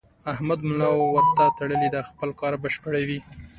احمد ملا ورته تړلې ده؛ خپل کار بشپړوي.